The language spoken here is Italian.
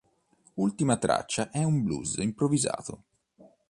L'ultima traccia è un blues improvvisato.